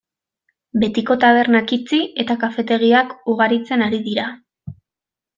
Betiko tabernak itxi eta kafetegiak ugaritzen ari dira.